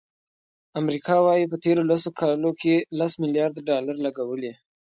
امریکا وایي، په تېرو لسو کالو کې سل ملیارد ډالر لګولي.